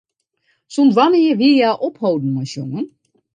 Sûnt wannear wie hja opholden mei sjongen?